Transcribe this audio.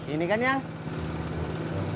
ini kan yang